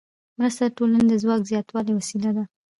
مرسته د ټولنې د ځواک د زیاتوالي وسیله ده.